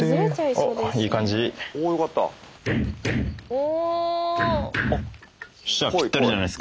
お！